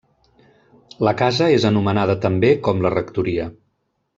La casa és anomenada també com la rectoria.